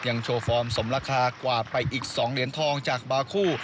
โชว์ฟอร์มสมราคากว่าไปอีก๒เหรียญทองจากบาคู่